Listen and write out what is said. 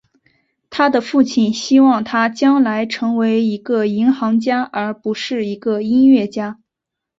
他的父亲希望他将来成为一个银行家而不是一个音乐家。